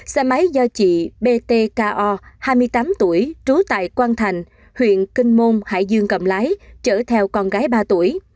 xe máy do chị bt ko hai mươi tám tuổi trú tại quang thành huyện kinh môn hải dương cầm lái chở theo con gái ba tuổi